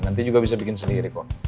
nanti juga bisa bikin sendiri kok